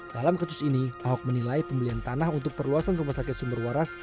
dalam kasus ini ahok menilai pembelian tanah untuk perluasan rumah sakit sumber waras